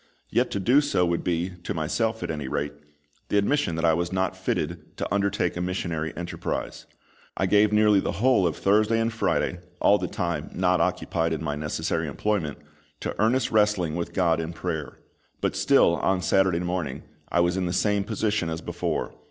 Yet to do so would be, to myself at any rate, the admission that I was not fitted to undertake a missionary enterprise. I gave nearly the whole of Thursday and Friday all the time not occupied in my necessary employment to earnest wrestling with GOD in prayer. But still on Saturday morning I was in the same position as before.